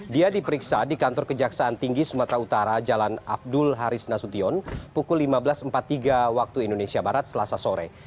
dia diperiksa di kantor kejaksaan tinggi sumatera utara jalan abdul haris nasution pukul lima belas empat puluh tiga waktu indonesia barat selasa sore